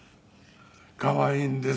可愛いんです。